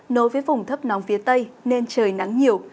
nối với vùng thấp nóng phía tây nên trời nắng nhiều